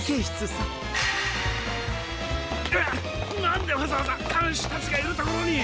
なんでわざわざかんしゅたちがいるところに？